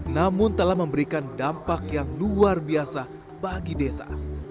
namun telah memberikan dampak yang luar biasa bagi desa